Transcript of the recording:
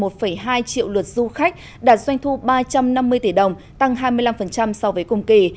một hai triệu lượt du khách đạt doanh thu ba trăm năm mươi tỷ đồng tăng hai mươi năm so với cùng kỳ